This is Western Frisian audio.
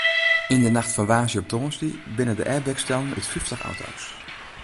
Yn de nacht fan woansdei op tongersdei binne de airbags stellen út fyftich auto's.